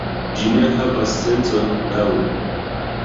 Ĝi ne havas sencon laŭ mi